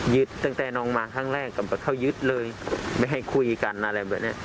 ตั้งแต่น้องมาครั้งแรกกับเขายึดเลยไม่ให้คุยกันอะไรแบบนี้